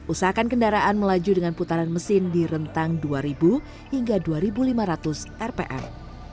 usahakan kendaraan melaju dengan putaran mesin di rentang dua hingga dua ribu lima ratus rpm